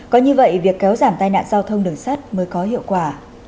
có như vậy việc kéo giảm tai nạn giao thông đường sắt mới có hiệu quả